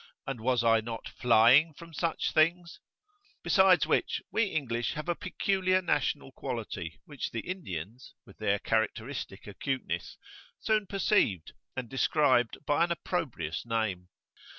and was I not flying from such things? Besides which, we English have a [p.36]peculiar national quality, which the Indians, with their characteristic acuteness, soon perceived, and described by an opprobrious name.